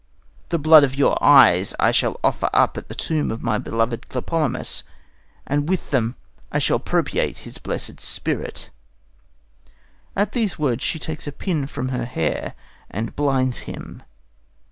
The blood of your eyes I shall offer up at the tomb of my beloved Tlepolemus, and with them I shall propitiate his blessed spirit." At these words she takes a pin from her hair and blinds him.